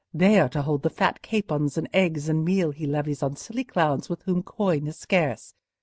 They are to hold the fat capons and eggs and meal he levies on silly clowns with whom coin is scarce.